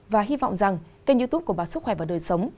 và hy vọng rằng kênh youtube của bà sức khỏe và đời sống